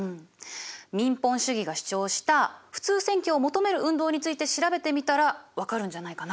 民本主義が主張した普通選挙を求める運動について調べてみたら分かるんじゃないかな？